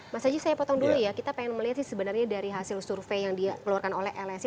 mas aji saya potong dulu ya kita pengen melihat sih sebenarnya dari hasil survei yang dikeluarkan oleh lsi